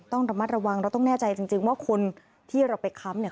ต้องระมัดระวังเราต้องแน่ใจจริงว่าคนที่เราไปค้ำเนี่ย